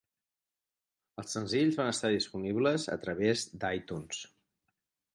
Els senzills van estar disponibles a través d'iTunes.